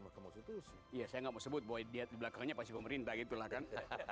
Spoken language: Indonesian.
makamu situ sih iya saya enggak mau sebut boy dia di belakangnya pasti pemerintah gitu lah kan